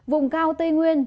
vùng cao tây nguyên